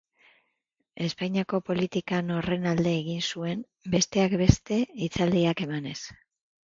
Espainiako politikan horren alde egin zuen, besteak beste hitzaldiak emanez.